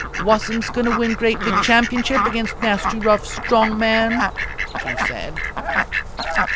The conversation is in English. "Wassums going to win great big championship against nasty rough strong man?" she said.